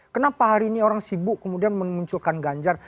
kenapa hari ini orang sibuk kemudian memunculkan ganjar